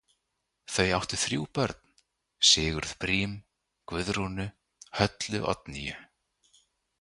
Þau áttu þrjú börn, Sigurð Brím, Guðrúnu, Höllu Oddnýju.